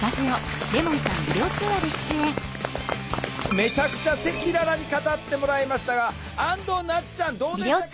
めちゃくちゃ赤裸々に語ってもらいましたが安藤なつちゃんどうでしたか？